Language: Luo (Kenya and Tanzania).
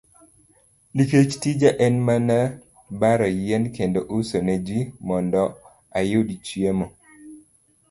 Nikech tija en mana baro yien kendo uso ne ji, mondo ayud chiemo.